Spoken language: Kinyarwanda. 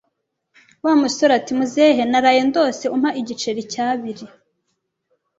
Wa musore ati muzehe naraye ndose umpa igiceri cy'abiri